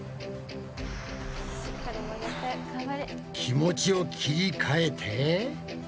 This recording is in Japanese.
気持ちを切り替えて。